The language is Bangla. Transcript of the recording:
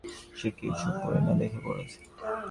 সে কি এই সব বই না দেখে পড়েছে?